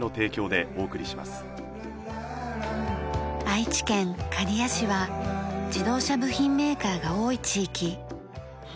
愛知県刈谷市は自動車部品メーカーが多い地域。